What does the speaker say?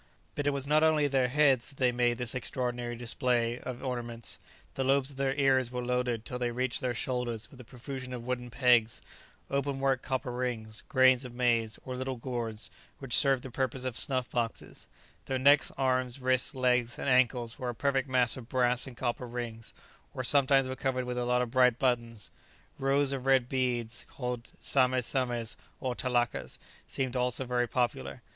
But it was not only on their heads that they made this extraordinary display of ornaments; the lobes of their ears were loaded till they reached their shoulders with a profusion of wooden pegs, open work copper rings, grains of maize, or little gourds, which served the purpose of snuff boxes; their necks, arms, wrists, legs, and ankles were a perfect mass of brass and copper rings, or sometimes were covered with a lot of bright buttons. Rows of red beads, called sames sames, or talakas, seemed also very popular.